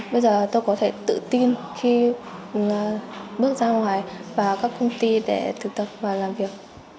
bây giờ tôi có thể tự tin khi bước ra ngoài vào các công ty để thực tập và làm việc